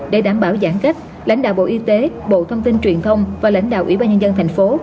để đảm bảo giãn cách lãnh đạo bộ y tế bộ thông tin truyền thông và lãnh đạo ủy ban nhân dân thành phố